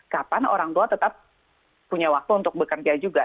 kapan orang tua tetap punya waktu untuk bekerja juga